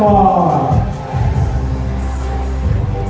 สโลแมคริปราบาล